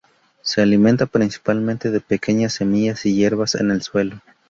Se alimenta principalmente de pequeñas semillas y hierbas, en el suelo.